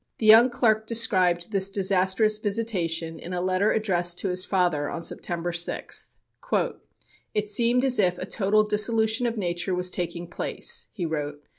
The young clerk described this disastrous visitation in a letter addressed to his father on September 6th. "It seemed as if a total dissolution of nature was taking place," he wrote.